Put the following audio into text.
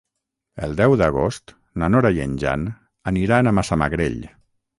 El deu d'agost na Nora i en Jan aniran a Massamagrell.